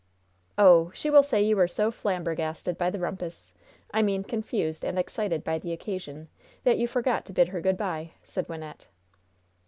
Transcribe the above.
"Oh, she will say you were so flambergasted by the rumpus I mean confused and excited by the occasion that you forgot to bid her good by," said Wynnette.